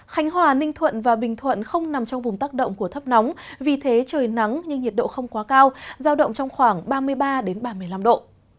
khánh hòa ninh thuận và bình thuận không nằm trong vùng tác động của thấp nóng vì thế trời nắng nhưng nhiệt độ không quá cao giao động trong khoảng ba mươi ba ba mươi năm độ